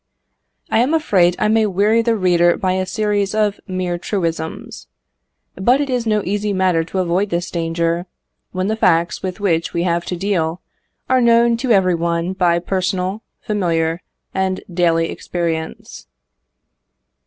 I am afraid I may weary the reader by a series of mere truisms. But it is no easy matter to avoid this danger, when the facts with which we have to deal are known to every one by personal, familiar, and daily experience.